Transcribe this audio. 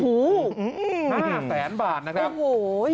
หูห้าแสนบาทนะครับโอ้โห